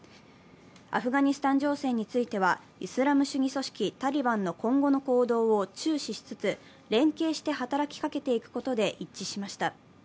アフガニスタン情勢については、イスラム主義組織タリバンの今後の行動を注視しつつ連携して働きかけていくことで一致しました。